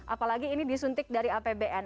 apalagi ini disuntik dari apbn